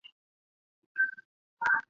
早年为郡庠生。